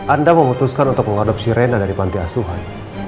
anda memutuskan untuk mengadopsi reina dari pantiasuhan